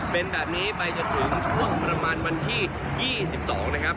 เป็นแบบนี้ไปจนถึงช่วงประมาณวันที่๒๒นะครับ